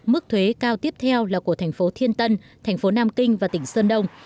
mức thuế cao tiếp theo là của thành phố thiên tân thành phố nam kinh và tỉnh sơn đông